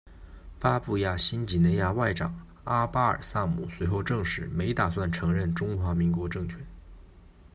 巴布亚新几内亚外长阿巴尔萨姆随后证实没打算承认中华民国政权。